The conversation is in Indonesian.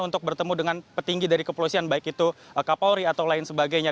untuk bertemu dengan petinggi dari kepolisian baik itu kapolri atau lain sebagainya